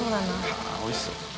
はぁおいしそう。